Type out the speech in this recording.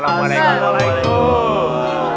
aku nggak bisa jadi kapten laut